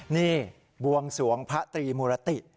นี่บวงสวงพระตรีมุรติ